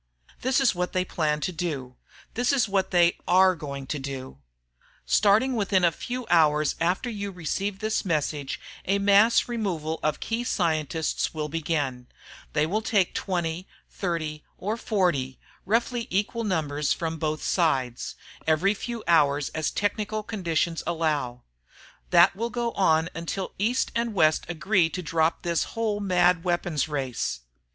This is what they plan to do this is what they are going to do. Starting within a few hours after you receive this message, a mass removal of key scientists will begin. They will take 20, 30, or 40 roughly equal numbers from both sides every few hours as technical conditions allow. That will go on until East and West agree to drop this whole mad weapons race.